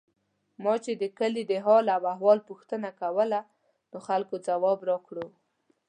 ما چې د کلي د حال او احوال پوښتنه کوله، نو خلکو ځواب راکړو.